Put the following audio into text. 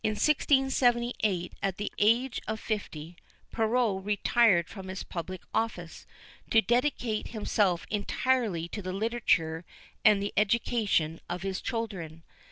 In 1678, at the age of fifty, Perrault retired from his public office to dedicate himself entirely to literature and the education of his children.